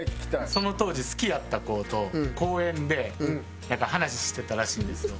その当時好きやった子と公園でなんか話してたらしいんですよ。